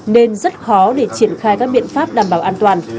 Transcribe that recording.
nên rất khó để triển khai các biện pháp đảm bảo an toàn